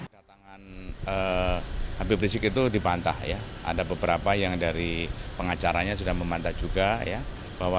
kepulangan rizik itu dipantah ya ada beberapa yang dari pengacaranya sudah memantah juga ya